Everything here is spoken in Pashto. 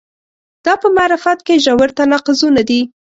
دا په معرفت کې ژور تناقضونه دي.